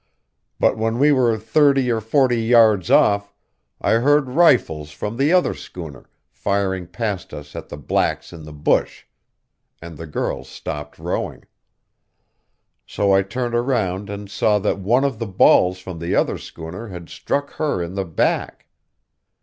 But when we were thirty or forty yards off, I heard rifles from the other schooner, firing past us at the blacks in the bush; and the girl stopped rowing. So I turned around and saw that one of the balls from the other schooner had struck her in the back.